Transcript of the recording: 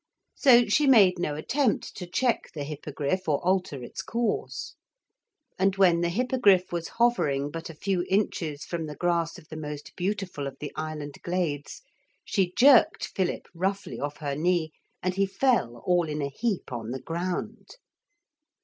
So she made no attempt to check the Hippogriff or alter its course. And when the Hippogriff was hovering but a few inches from the grass of the most beautiful of the island glades, she jerked Philip roughly off her knee and he fell all in a heap on the ground.